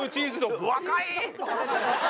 若い！